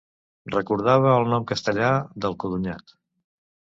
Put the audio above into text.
Recordava el nom castellà del codonyat.